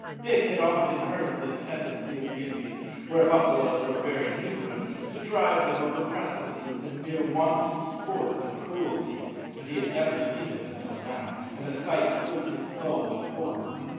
Dick had often heard of this tendency of the Indians, where buffaloes were very numerous, to drive them over precipices in mere wanton sport and cruelty, but he had never seen it until now, and the sight filled his soul with horror.